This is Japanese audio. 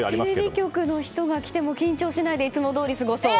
テレビ局の人が来ても緊張しないでいつもどおり過ごそう。